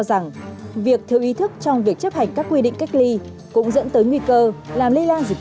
rằng việc thiếu ý thức trong việc chấp hành các quy định cách ly cũng dẫn tới nguy cơ làm lây lan dịch